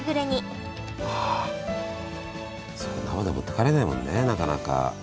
そのままじゃ持って帰れないもんねなかなか。